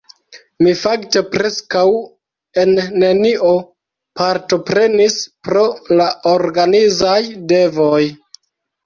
Mi fakte preskaŭ en nenio partoprenis pro la organizaj devoj.